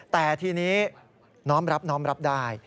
แต่ทีนี้น้อมรับน้อมรับได้